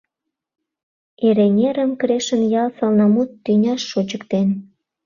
Эреҥерым Крешын ял сылнымут тӱняш шочыктен.